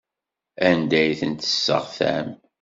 Anda ay tent-tesseɣtam?